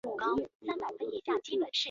北魏时改置为章武郡。